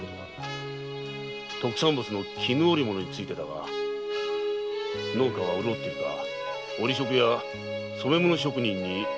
特産物の絹織物についてだが農家は潤っているか織り職や染め物職人に不都合はないか。